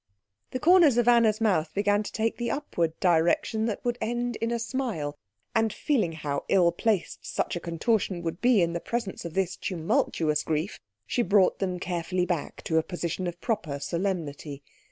The corners of Anna's mouth began to take the upward direction that would end in a smile; and feeling how ill placed such a contortion would be in the presence of this tumultuous grief, she brought them carefully back to a position of proper solemnity.